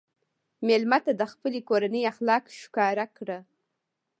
مېلمه ته د خپلې کورنۍ اخلاق ښکاره کړه.